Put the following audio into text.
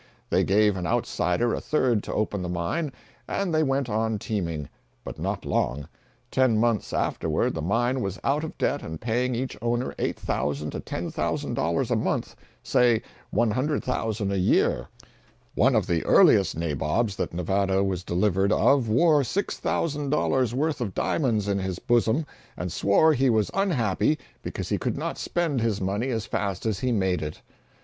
They gave an outsider a third to open the mine, and they went on teaming. But not long. Ten months afterward the mine was out of debt and paying each owner $8,000 to $10,000 a month—say $100,000 a year. One of the earliest nabobs that Nevada was delivered of wore $6,000 worth of diamonds in his bosom, and swore he was unhappy because he could not spend his money as fast as he made it.